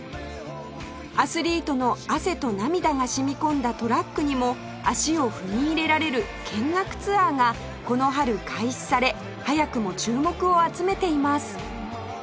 アスリートの汗と涙が染み込んだトラックにも足を踏み入れられる見学ツアーがこの春開始され早くも注目を集めています